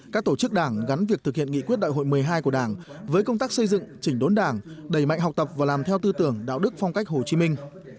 các tổ chức đảng gắn việc thực hiện nghị quyết đại hội một mươi hai của đảng với công tác xây dựng chỉnh đốn đảng đẩy mạnh học tập và làm theo tư tưởng đạo đức phong cách hồ chí minh